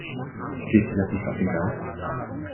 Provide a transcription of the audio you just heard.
Geht dir das nicht auf den Geist?